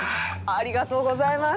「ありがとうございます！」